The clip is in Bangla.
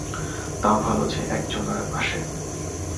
তাও ভালো যে এক জন আসে।